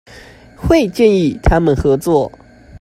會建議他們合作